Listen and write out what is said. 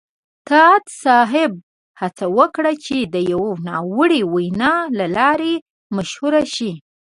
طاقت صاحب هڅه وکړه چې د یوې ناوړې وینا له لارې مشهور شي.